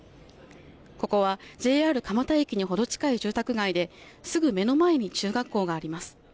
ここはＪＲ蒲田駅に程近い住宅街ですぐ目の前に中学校があります。